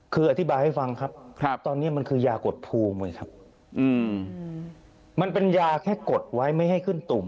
คืออธิบายให้ฟังครับต้อนนี้มันคือยากดพลูม